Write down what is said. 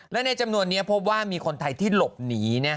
และในจำนวนนี้พบว่ามีคนไทยที่หลบหนี